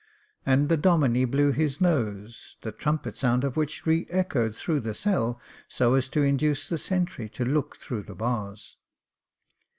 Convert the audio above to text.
" And the Domine blew his nose, the trumpet sound of which re echoed through the cell, so as to induce the sentry to look through the bars.